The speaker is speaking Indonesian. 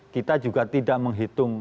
kita juga tidak menghitung